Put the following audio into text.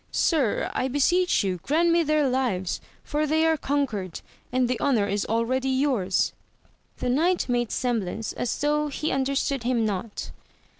Sir, I beseech you grant me their lives, for they are conquered, and the honour is already yours. The knight made semblance as though he understood him not.